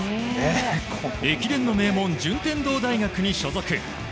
駅伝の名門・順天堂大学に所属。